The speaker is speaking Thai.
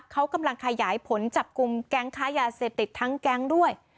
เขากำลังขยายผลจับกลุ่มแก๊งค้ายาเสพติดทั้งแก๊งด้วย